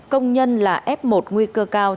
công nhân là f một nguy cơ cao